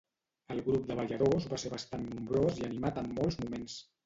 El grup de balladors va ser bastant nombrós i animat en molts moments.